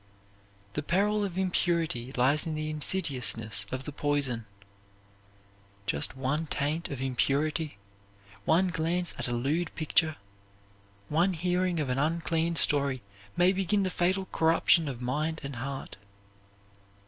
The peril of impurity lies in the insidiousness of the poison. Just one taint of impurity, one glance at a lewd picture, one hearing of an unclean story may begin the fatal corruption of mind and heart.